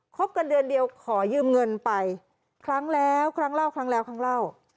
บกันเดือนเดียวขอยืมเงินไปครั้งแล้วครั้งเล่าครั้งแล้วครั้งเล่า